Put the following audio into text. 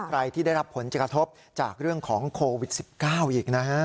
ใครที่ได้รับผลกระทบจากเรื่องของโควิด๑๙อีกนะฮะ